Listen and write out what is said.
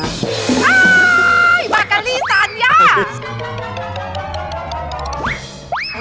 อ้าวบาร์กาลีทานย่า